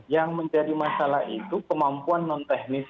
yang menjadi masalah itu kemampuan non teknis